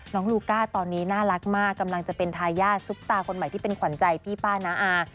ลูก้าตอนนี้น่ารักมากกำลังจะเป็นทายาทซุปตาคนใหม่ที่เป็นขวัญใจพี่ป้าน้าอา